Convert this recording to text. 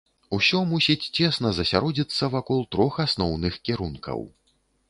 Усё мусіць цесна засяродзіцца вакол трох асноўных кірункаў.